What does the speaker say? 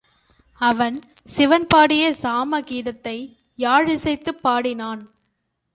அவன் சிவன்பாடிய சாம கீதத்தை யாழ் இசைத்துப் பாடினான்.